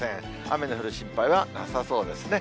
雨の降る心配はなさそうですね。